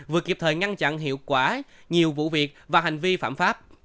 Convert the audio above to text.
vừa kịp thời ngăn chặn hiệu quả nhiều vụ việc và hành vi phạm pháp